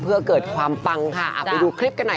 เพื่อเกิดความฟังค่ะ